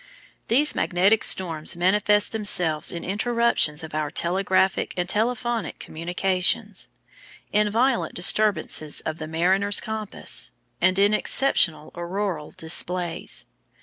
These magnetic storms manifest themselves in interruptions of our telegraphic and telephonic communications, in violent disturbances of the mariner's compass, and in exceptional auroral displays.